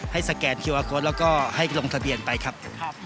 ให้สแกนแล้วก็ให้ลงทะเบียนไปครับครับ